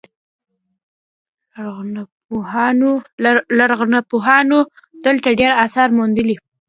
لرغونپوهانو دلته ډیر اثار موندلي